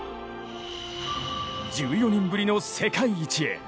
１４年ぶりの世界一へ。